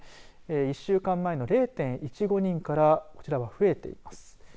１週間前の０．１５人からこちらは増えています。